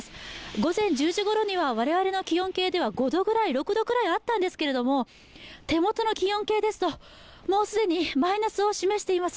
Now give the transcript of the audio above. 午前１０時ごろには我々の気温計では６度くらいあったんですけど手元の気温計ですと、既にマイナスを示しています。